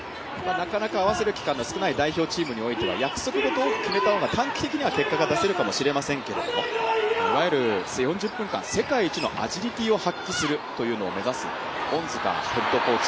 なかなか合わせる期間の少ない代表チームの中では約束事を決めた方が短期的には結果が出せるかもしれませんけどもいわゆる４０分間、世界一のアジリティーを発揮することを目指す恩塚ヘッドコーチ。